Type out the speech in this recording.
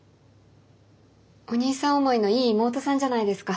お兄さん思いのいい妹さんじゃないですか。